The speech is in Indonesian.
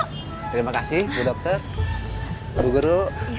terima kasih bu dokter bu guru